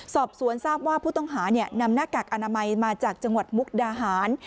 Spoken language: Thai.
สอบสวนทราบว่าผู้ต้องหานำหน้ากากอนามัยมาจากจังหวัดมุกดาหาร